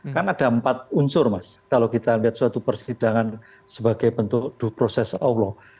kan ada empat unsur mas kalau kita lihat suatu persidangan sebagai bentuk proses allah